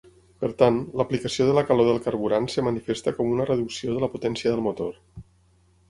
Per tant, l'aplicació de la calor del carburant es manifesta com una reducció de la potència del motor.